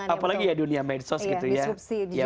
apalagi ya dunia medsos gitu ya